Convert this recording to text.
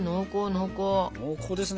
濃厚ですね。